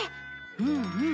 うんうん。